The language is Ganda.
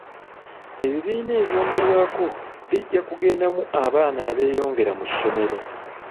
Ebibiina ebyongerwako bijja kugendamu abaana abeeyongera mu ssomero.